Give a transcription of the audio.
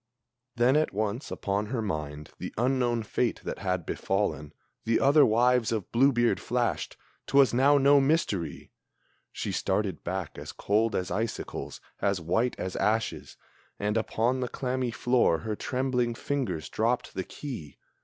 Then, at once, upon her mind the unknown fate that had befallen The other wives of Blue beard flashed 'twas now no mystery! She started back as cold as icicles, as white as ashes, And upon the clammy floor her trembling fingers dropped the key.